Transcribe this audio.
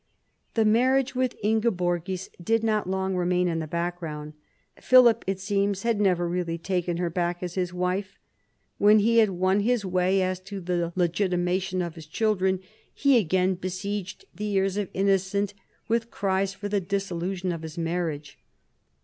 The marriage with Ingeborgis did not long remain in the background. Philip, it seems, had never really taken her back as his wife. When he had won his way as to the legitimation of his children he again besieged the ears of Innocent with cries for the dissolu tion of his marriage.